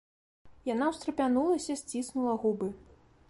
Яна ўстрапянулася, сціснула губы.